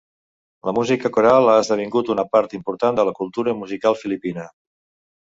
La musica coral ha esdevingut una part important de la cultura musical filipina.